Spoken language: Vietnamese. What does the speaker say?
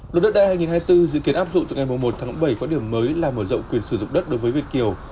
luật đất đai hai nghìn hai mươi bốn dự kiến áp dụng từ ngày một tháng bảy có điểm mới là mở rộng quyền sử dụng đất đối với việt kiều